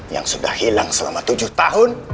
yang sudah hilang selama tujuh tahun